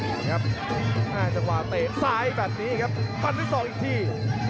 จังหวัดเตะซ้ายแบบนี้ครับฟันด้วยสองอีกที